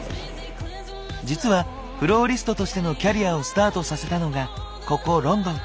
実はフローリストとしてのキャリアをスタートさせたのがここロンドン。